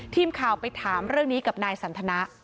ทีมข่าวไปถามเรื่องนี้กับนายสันทนะ